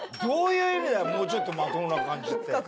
どういう意味だよもうちょっとまともな感じって。